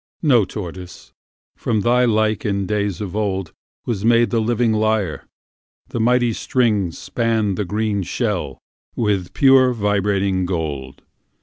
No, Tortoise: from thy like in days of oldWas made the living lyre; and mighty stringsSpanned thy green shell with pure vibrating gold.